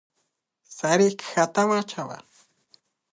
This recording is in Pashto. سر يې کښته واچاوه.